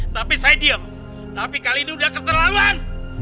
tapi saya diem tapi kali ini udah keterlaluan